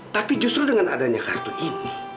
tapi justru dengan adanya kartu ini